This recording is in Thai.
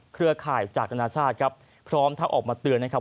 เครือข่ายจากนานาชาติครับพร้อมทั้งออกมาเตือนนะครับ